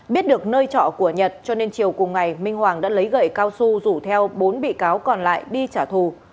biết được nơi trọ của nhật cho nên chiều cùng ngày minh hoàng đã lấy gậy cao su rủ theo bốn bị cáo còn lại đi trả thù